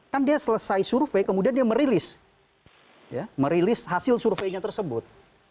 kan dia selesai survei kemudian dia merilis hasil surveinya tersebut